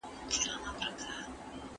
چي ستر عارفان لکه حضرت مولانا او د هغه په څېر